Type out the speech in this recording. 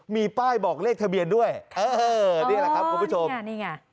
มีป้ายบอกเลขทะเบียนด้วยเออนี่แหละครับคุณผู้ชมนี่ไง